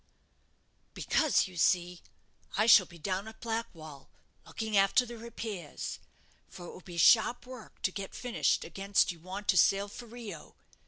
"Because, you see, I shall be down at Blackwall, looking after the repairs, for it will be sharp work to get finished against you want to sail for Rio.